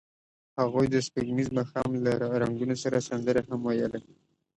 هغوی د سپوږمیز ماښام له رنګونو سره سندرې هم ویلې.